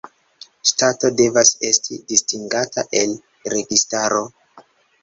Ŝtato devas esti distingata el registaro.